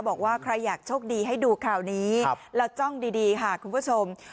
บอกว่าใครอยากโชคดีให้ดูข่าวนี้แล้วจ้องดีค่ะคุณผู้ชม